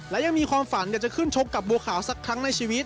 และยังมีความฝันอยากจะขึ้นชกกับบัวขาวสักครั้งในชีวิต